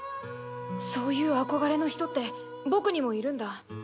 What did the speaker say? そういう憧れの人って僕にもいるんだ。